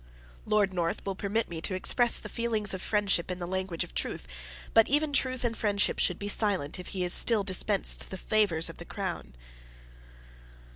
Lord North will permit me to express the feelings of friendship in the language of truth: but even truth and friendship should be silent, if he still dispensed the favors of the crown.